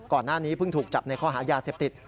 ก่อนหน้านี้เพิ่งถูกจับในข้อหายาเสพติด